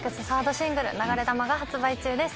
シングル『流れ弾』が発売中です